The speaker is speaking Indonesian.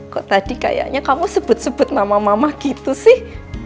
kok tadi kayaknya kamu sebut sebut nama mamah gitu sih